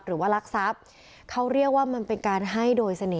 รักทรัพย์เขาเรียกว่ามันเป็นการให้โดยเสน่ห